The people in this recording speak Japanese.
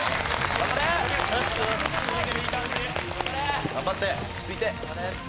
頑張れ！頑張って落ち着いて。